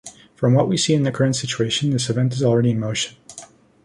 From what we see in the current situation, this event is already in motion.